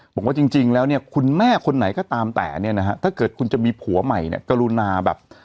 บอกว่าจริงแล้วเนี่ยคุณแม่คนไหนก็ตามแต่เนี่ยนะฮะถ้าเกิดคุณจะมีผัวใหม่เนี่ยกรุณาแบบ